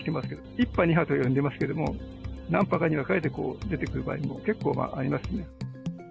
１波、２波と呼んでますけれども、何波かに分かれて出てくる場合も、結構ありますね。